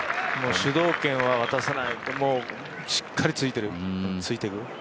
もう主導権は渡さない、しっかりついていく。